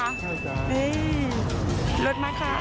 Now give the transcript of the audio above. สวัสดีครับคุณผู้ชมครับ